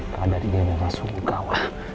kada di dalam suku kau